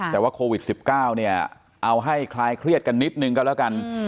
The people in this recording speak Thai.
แต่ว่าโควิด๑๙เนี่ยเอาให้คลายเครียดกันนิดนึงก็แล้วกัน